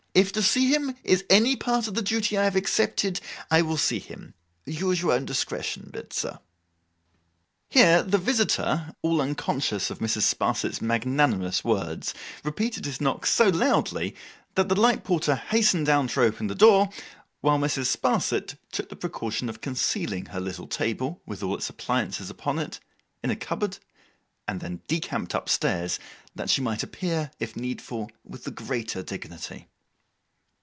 If to see him is any part of the duty I have accepted, I will see him. Use your own discretion, Bitzer.' Here the visitor, all unconscious of Mrs. Sparsit's magnanimous words, repeated his knock so loudly that the light porter hastened down to open the door; while Mrs. Sparsit took the precaution of concealing her little table, with all its appliances upon it, in a cupboard, and then decamped up stairs, that she might appear, if needful, with the greater dignity.